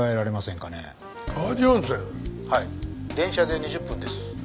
「はい電車で２０分です」